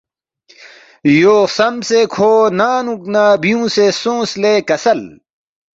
“ یو خسمسےکھو تا ننگ نُو نہ بیُونگسے سونگس لے کسل